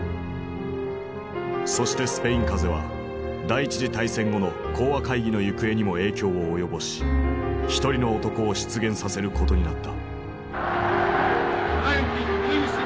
そしてスペイン風邪は第一次大戦後の講和会議の行方にも影響を及ぼし一人の男を出現させることになった。